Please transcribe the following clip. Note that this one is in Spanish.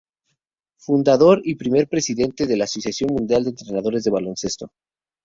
Fundador y primer Presidente de la Asociación Mundial de Entrenadores de Baloncesto.